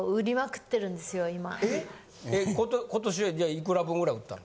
え今年はじゃあいくら分ぐらい売ったの？